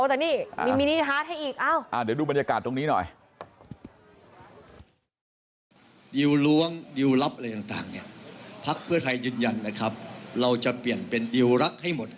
อ๋อแต่นี่มีมินิฮาร์ดให้อีก